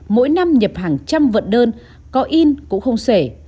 mỗi năm nhập hàng trăm vận đơn có in cũng không xể